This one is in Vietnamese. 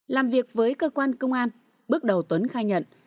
làm việc với cơ quan công an bước đầu tuấn khai nhận